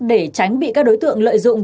để tránh bị các đối tượng lợi dụng